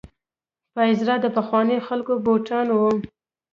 پایزار د پخوانیو خلکو بوټان وو.